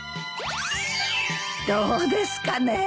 どうですかね？